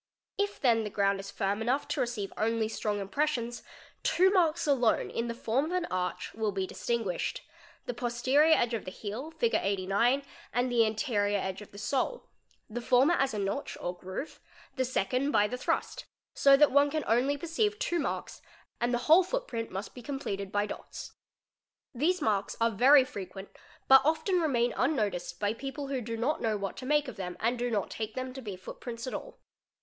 — a then the ground is firm enough to receive o1 f aes? it strong impressions, two marks alone, in t Gai 1 ') form of an arch, will be distinguished: Oy eget Os) posterior edge of the heel, Fig. 89, and 4 anterior edge of the sole; the former as a noteh or groove, the second by the thrust; so that one can only perceive 11 ) WALKING : 509 _ marks and the whole footprint must be completed by dots. _. These marks are very frequent but often remain unnoticed by people who do not know what to make of them and do not take them to be footprints at all.